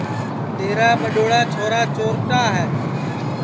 تیرا ٻڈؔوڑا چھورا چورٹا ہے